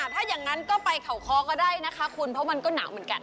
ถ้าอย่างนั้นก็ไปเขาคอก็ได้นะคะคุณเพราะมันก็หนาวเหมือนกัน